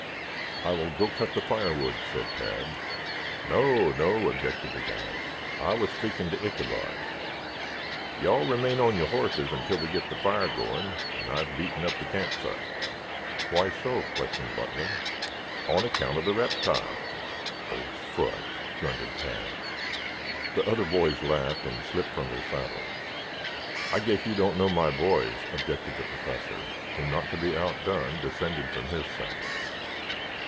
"I will go cut the firewood," said Tad. "No, no," objected the guide. "I was speaking to Ichabod. You all remain on your horses until we get the fire going and I have beaten up the camp site." "Why so?" questioned Butler. "On account of the reptiles." "Oh, fudge!" grunted Tad. The other boys laughed and slipped from their saddles. "I guess you don't know my boys," objected the Professor, who, not to be outdone, descended from his saddle.